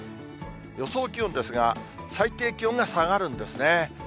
予想気温ですが、最低気温が下がるんですね。